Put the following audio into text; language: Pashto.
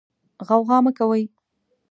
غوغا مه کوئ.